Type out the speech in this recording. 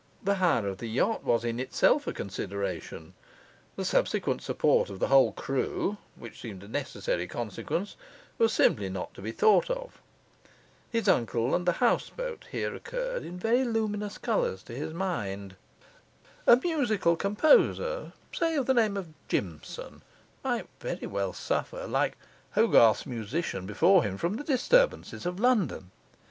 The hire of the yacht was in itself a consideration; the subsequent support of the whole crew (which seemed a necessary consequence) was simply not to be thought of. His uncle and the houseboat here occurred in very luminous colours to his mind. A musical composer (say, of the name of Jimson) might very well suffer, like Hogarth's musician before him, from the disturbances of London.